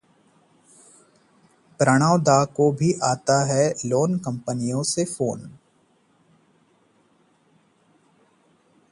प्रणव दा को भी आता है लोन कंपनियों से फोन